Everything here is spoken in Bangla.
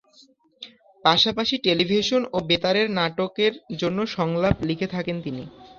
পাশাপাশি টেলিভিশন ও বেতারের নাটকের জন্য সংলাপ লিখে থাকেন তিনি।